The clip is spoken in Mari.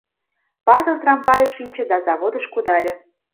Павел трамвайыш шинче да заводыш кудале.